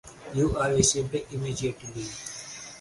You are received immediately.